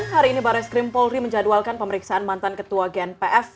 hari ini baris krimpolri menjadwalkan pemeriksaan mantan ketua gnpf